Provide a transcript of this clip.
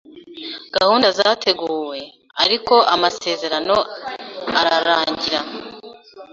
Gahunda zateguwe, ariko amasezerano ararangira.